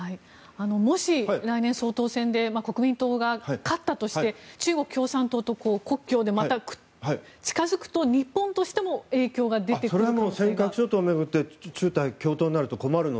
もし、来年総統選で国民党が勝ったとして中国共産党と国共でまた近づくと日本としても影響が出てくるんでしょうか。